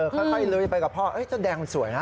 ค่อยลุยไปกับพ่อเจ้าแดงมันสวยนะ